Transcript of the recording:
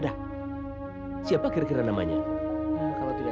dia lah laki laki dambaan saya